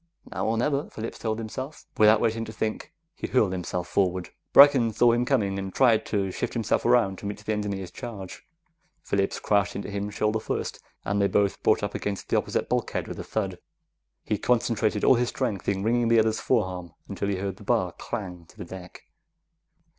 Now or never, Phillips told himself. Without waiting to think, he hurled himself forward. Brecken saw him coming, and tried to shift around to meet the engineer's charge. Phillips crashed into him shoulder first, and they both brought up against the opposite bulkhead with a thud. He concentrated all his strength into wringing the other's forearm until he heard the bar clang to the deck.